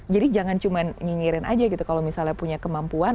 jadi jangan cuma nyinyirin aja gitu kalau misalnya punya kemampuan